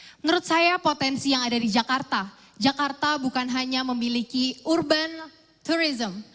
menurut saya potensi yang ada di jakarta jakarta bukan hanya memiliki urban tourism